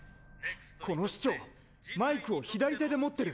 この市長マイクを左手で持ってる。